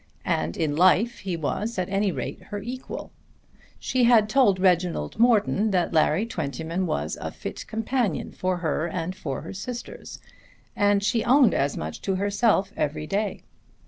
And in life he was at any rate her equal. She had told Reginald Morton that Larry Twentyman was a fit companion for her and for her sisters, and she owned as much to herself every day.